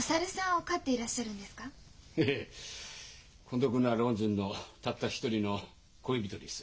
孤独な老人のたった一人の恋人です。